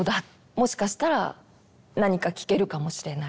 もしかしたら何か聞けるかもしれない。